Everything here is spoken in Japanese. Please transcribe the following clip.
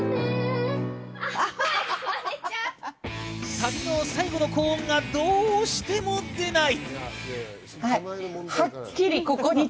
サビの最後の高音がどうしても出ない。